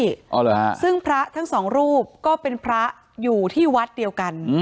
อ๋อเหรอฮะซึ่งพระทั้งสองรูปก็เป็นพระอยู่ที่วัดเดียวกัน